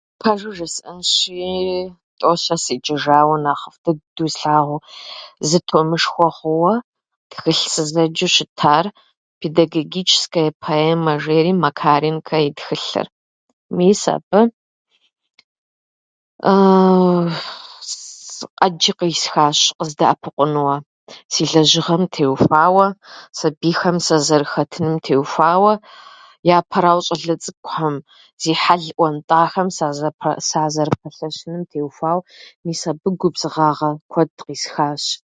"Пэжу жысӏэнщи, тӏэу-щэ седжэжауэ, нэхъыфӏ дыдэи слъагъуу, зы томышхуэ хъууэ тхылъ сызэджэу щытар ""Педагогическая поэма"" жери Макаренко и тхылъыр. Мис абы ӏэджэ къисхащ, къыздэӏэпыкъунууэ си лэжьыгъэм теухуауэ, сабийхэм сызэрыхэтыным теухуауэ. Япэрауэ, щӏалэ цӏыкӏухэм, зи хьэл ӏуэнтӏахэм сэзэрыпэ- сазэрыпэлъэщыным теухуауэ, мис абы губзыгъагъэ куэд къисхащ."